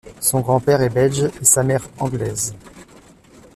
Son grand-père est belge et sa mère anglaise.